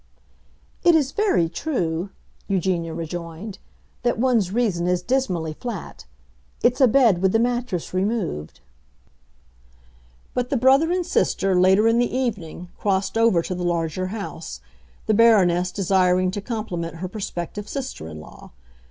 "It is very true," Eugenia rejoined, "that one's reason is dismally flat. It's a bed with the mattress removed." But the brother and sister, later in the evening, crossed over to the larger house, the Baroness desiring to compliment her prospective sister in law.